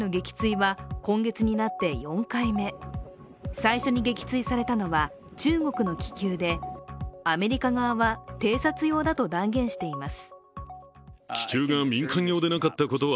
最初に撃墜されたのは中国の気球でアメリカ側は偵察用だと断言しています。